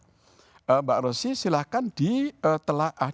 mbak rosy silahkan di telah